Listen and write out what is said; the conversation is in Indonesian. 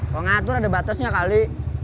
mau ngatur ada batasnya kali